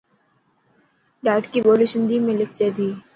ڌاٽڪي ٻولي سنڌي ۾ لکجي ٿي.